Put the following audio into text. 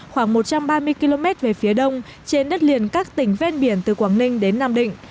khoảng một trăm ba mươi km về phía đông trên đất liền các tỉnh ven biển từ quảng ninh đến nam định